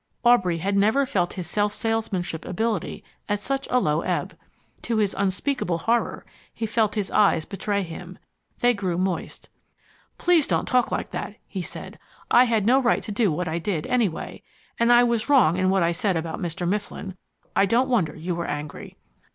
Aubrey had never felt his self salesmanship ability at such a low ebb. To his unspeakable horror, he felt his eyes betray him. They grew moist. "Please don't talk like that," he said. "I had no right to do what I did, anyway. And I was wrong in what I said about Mr. Mifflin. I don't wonder you were angry."